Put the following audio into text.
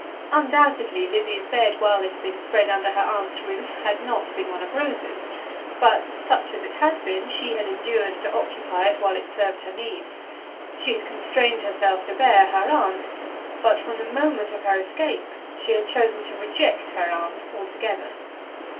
Undoubtedly Lizzie's bed, while it had been spread under her aunt's roof, had not been one of roses; but such as it had been, she had endured to occupy it while it served her needs. She had constrained herself to bear her aunt; but from the moment of her escape she had chosen to reject her aunt altogether.